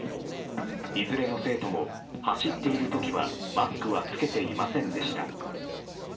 いずれの生徒も走っている時はマスクは着けていませんでした。